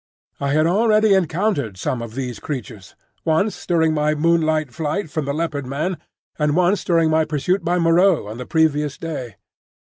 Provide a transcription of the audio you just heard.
I had already encountered some of these creatures,—once during my moonlight flight from the Leopard man, and once during my pursuit by Moreau on the previous day.